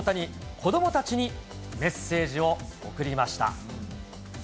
子どもたちにメッセージを贈りました。